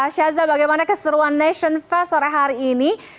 shaza bagaimana keseruan nation fast sore hari ini